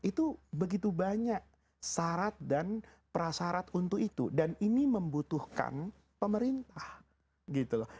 itu begitu banyak syarat dan prasarat untuk itu dan ini membutuhkan pemerintah gitu loh